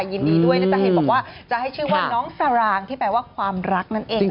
ยินดีด้วยนะจะเห็นบอกว่าจะให้ชื่อว่าน้องสารางที่แปลว่าความรักนั่นเอง